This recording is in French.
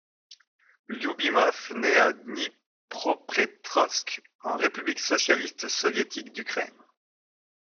Lioubimov nait à Dnipropetrovsk, en République socialiste soviétique d'Ukraine.